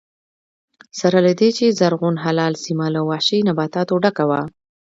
سره له دې چې زرغون هلال سیمه له وحشي نباتاتو ډکه وه